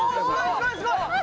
すごいすごい！